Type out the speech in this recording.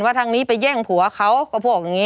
ทางนี้ไปแย่งผัวเขาก็พูดอย่างนี้